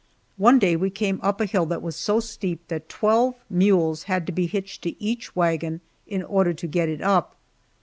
One day we came up a hill that was so steep that twelve mules had to be hitched to each wagon in order to get it up.